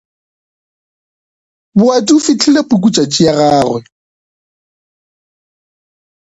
Boati o fihlile pukutšatši ya gagwe.